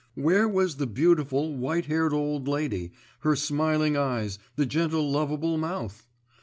Where was the beautiful, white haired old lady, her smiling eyes, the gentle lovable mouth——?